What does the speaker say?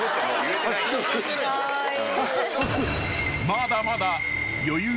［まだまだ］